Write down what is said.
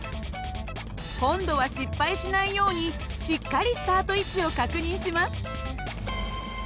今度は失敗しないようにしっかりスタート位置を確認します。